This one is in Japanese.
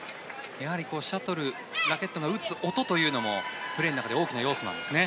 やはりシャトルラケットを打つ音というのもプレーの中で大きな要素なんですね。